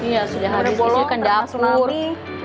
iya sudah habis isi kandang tsunami